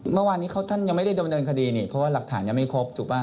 เมื่อวานนี้เขาท่านยังไม่ได้ดำเนินคดีนี่เพราะว่าหลักฐานยังไม่ครบถูกป่